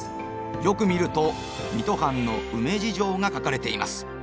よく見ると水戸藩のウメ事情が書かれています。